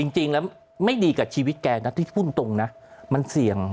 จริงแล้วไม่ดีกับชีวิตแกนะที่พูดตรงนะมันเสี่ยง